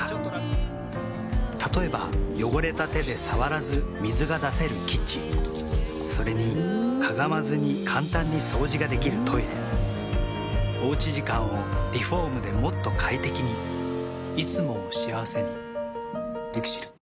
例えば汚れた手で触らず水が出せるキッチンそれにかがまずに簡単に掃除ができるトイレおうち時間をリフォームでもっと快適にいつもを幸せにＬＩＸＩＬ。